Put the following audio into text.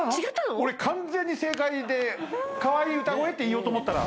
俺完全に正解で「カワイイ歌声」って言おうと思ったら。